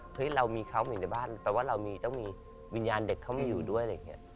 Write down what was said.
เฮ้ยเรามีเขามาอยู่ในบ้านแต่ว่าเรามีเจ้ามีวิญญาณเด็กเขามาอยู่ด้วยอะไรอย่างเงี้ย